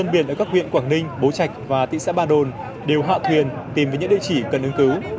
bố trạch và tỉ xã ba đồn đều hạ thuyền tìm với những địa chỉ cần ứng cứu